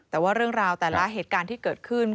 แต่ว่าเรื่องราวแต่ละเหตุการณ์ที่เกิดขึ้น